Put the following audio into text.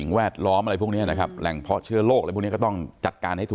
ตั้งแต่สร้างทะเมียดมาก็คือ๒๗ปีนะครับ